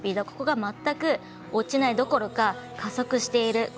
ここが全く落ちないどころか加速している